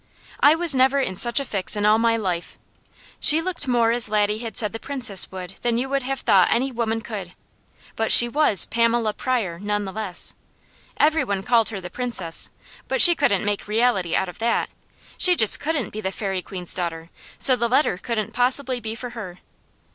I was never in such a fix in all my life. She looked more as Laddie had said the Princess would than you would have thought any woman could, but she was Pamela Pryor, nevertheless. Every one called her the Princess, but she couldn't make reality out of that. She just couldn't be the Fairy Queen's daughter; so the letter couldn't possibly be for her.